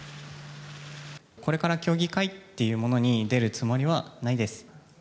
これから競技会っていうものに出るつもりはないです。